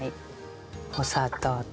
お砂糖と。